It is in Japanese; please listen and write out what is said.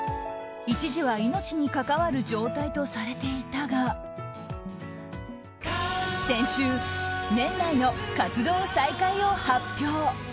一時は命に関わる状態とされていたが先週、年内の活動再開を発表。